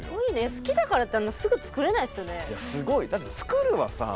好きだからってすぐ作れないですよね。